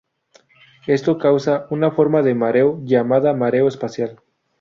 Esto causa una forma de mareo llamada mareo espacial.